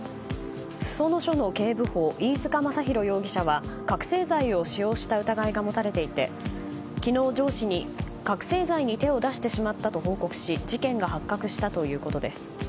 裾野署の警部補飯塚雅浩容疑者は覚醒剤を使用した疑いが持たれていて昨日上司に覚醒剤に手を出してしまったと報告し事件が発覚したということです。